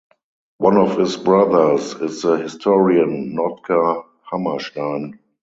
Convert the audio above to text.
One of his brothers is the historian Notker Hammerstein.